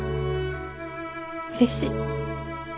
うれしい。